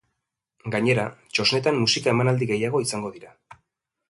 Gainera, txosnetan musika emanaldi gehiago izango dira.